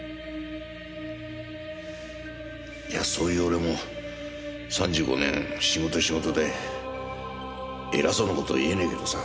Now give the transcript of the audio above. いやそういう俺も３５年仕事仕事で偉そうな事言えねえけどさ。